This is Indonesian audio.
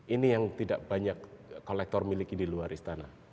ini yang tidak banyak kolektor miliki di luar istana